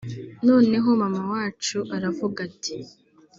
noneho mama wacu aravuga ati